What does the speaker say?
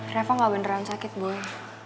reva gak beneran sakit boleh